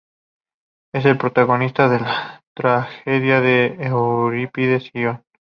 Es la protagonista de la tragedia de Eurípides "Ion".